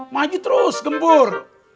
maju terus gembur